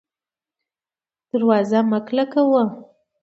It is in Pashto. دروازه مه کلکه وه